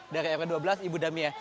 dari r dua belas ibu damia